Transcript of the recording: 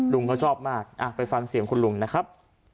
ลุงเขาชอบมากไปฟังเสียงคุณลุงนะครับ